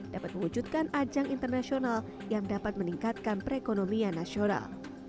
dapat mewujudkan ajang internasional yang dapat meningkatkan perekonomian nasional